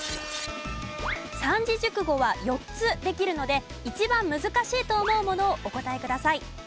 三字熟語は４つできるので一番難しいと思うものをお答えください。